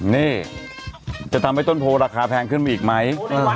นี่จะทำให้ต้นโพราคาแพงขึ้นมาอีกไหม